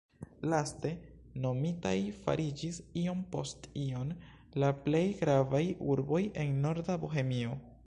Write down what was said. Laste nomitaj fariĝis iom post iom la plej gravaj urboj en norda Bohemio.